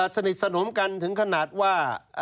สนิทสนมกันถึงขนาดว่า